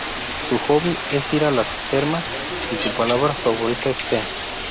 Su hobby es ir a las termas y su palabra favorita es "Fe".